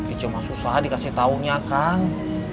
ico mah susah dikasih taunya kang